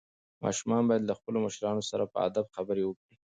ماشومان باید له خپلو مشرانو سره په ادب خبرې وکړي.